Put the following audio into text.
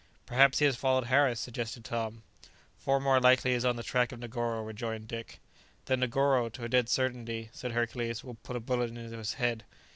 "Perhaps he has followed Harris," suggested Tom. "Far more likely he is on the track of Negoro," rejoined Dick. "Then Negoro, to a dead certainty," said Hercules, "will put a bullet into his head."